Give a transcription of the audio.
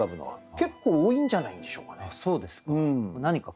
結構多いんじゃないんでしょうかね。